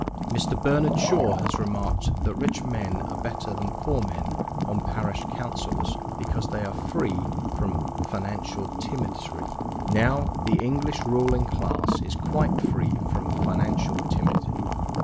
Mr. Bernard Shaw has remarked that rich men are better than poor men on parish councils because they are free from "financial timidity." Now, the English ruling class is quite free from financial timidity.